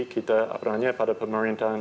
kita pada pemerintahan